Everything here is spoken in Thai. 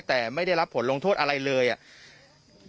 แต่ไม่ได้รับผลลงโทษอะไรเลยอ่ะ